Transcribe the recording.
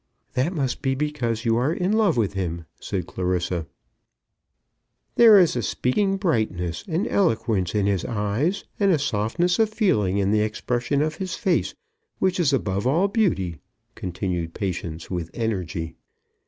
"That must be because you are in love with him," said Clarissa. "There is a speaking brightness, an eloquence, in his eyes; and a softness of feeling in the expression of his face, which is above all beauty," continued Patience, with energy.